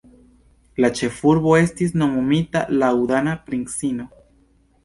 La ĉefurbo estis nomumita laŭ dana princino.